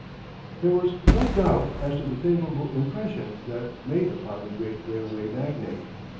There was no doubt as to the favorable impression that made upon the great railway magnate.